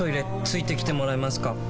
付いてきてもらえますか？